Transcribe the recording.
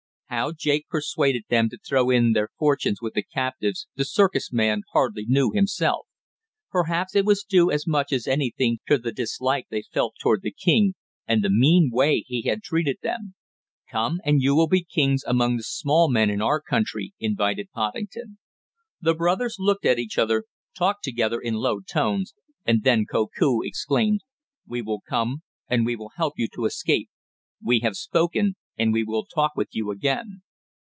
How Jake persuaded them to throw in their fortunes with the captives the circus man hardly knew himself. Perhaps it was due as much as anything to the dislike they felt toward the king, and the mean way he had treated them. "Come, and you will be kings among the small men in our country," invited Poddington. The brothers looked at each other, talked together in low tones, and then Koku exclaimed: "We will come, and we will help you to escape. We have spoken, and we will talk with you again."